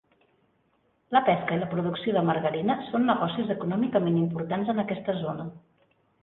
La pesca i la producció de margarina són negocis econòmicament importants en aquesta zona.